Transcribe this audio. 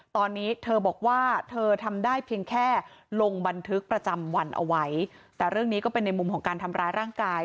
ตอนนี้เธอบอกว่าเธอทำได้เพียงแค่ลงบันทึกประจำวันเอาไว้แต่เรื่องนี้ก็เป็นในมุมของการทำร้ายร่างกาย